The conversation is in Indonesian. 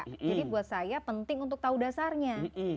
jadi buat saya penting untuk tahu dasarnya